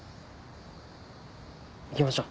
行きましょう。